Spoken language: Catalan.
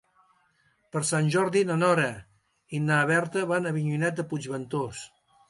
Per Sant Jordi na Nora i na Berta van a Avinyonet de Puigventós.